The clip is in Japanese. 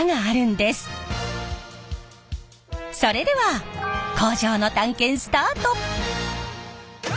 それでは工場の探検スタート！